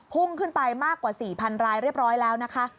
พุ่งขึ้นไปมากกว่า๔๐๐รายเรียบร้อยแล้วนะคะ